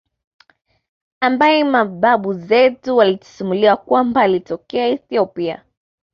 ambeye mababu zetu walitusimulia kwamba alitokea Ethiopia